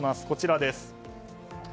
こちらです。